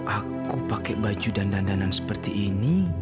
aku pakai baju dandan dandan seperti ini